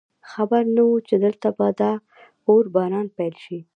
خبر نه وو چې دلته به د اور باران پیل شي